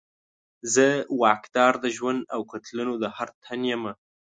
زه واکدار د ژوند او قتلولو د هر تن یمه